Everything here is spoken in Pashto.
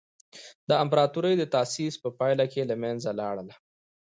د امپراتورۍ د تاسیس په پایله کې له منځه لاړل.